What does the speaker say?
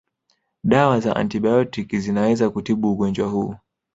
Dawa za antibiotiki zinaweza kutibu ugonjwa huu